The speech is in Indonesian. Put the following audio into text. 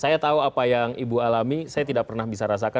saya tidak pernah bisa bayangkan bagaimana pengalaman saya terhadap buah buahan saya